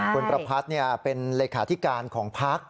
คุณประพัทธ์เป็นเลขาธิการของพัก